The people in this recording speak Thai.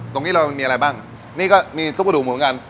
ตรงนี้เรามีอะไรบ้างนี่ก็มีซุปกระดูกหมูเหมือนกัน